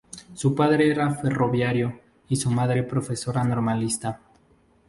Su padre era ferroviario y su madre profesora normalista.